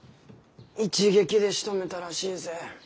一撃でしとめたらしいぜ。